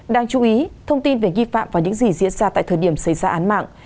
đáng chú ý thông tin về nghi phạm vào những gì diễn ra tại thời điểm xảy ra án mạng